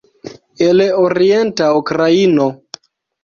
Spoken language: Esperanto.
El orienta Ukraino